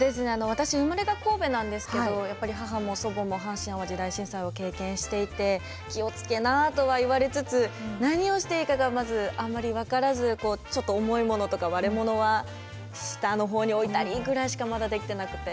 私生まれが神戸なんですけどやっぱり母も祖母も阪神・淡路大震災を経験していて「気を付けな」とは言われつつ何をしていいかがまずあんまり分からずこうちょっと重いものとか割れ物は下の方に置いたりぐらいしかまだできてなくて。